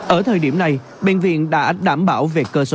ở thời điểm này bệnh viện đã đảm bảo về cơ số thuốc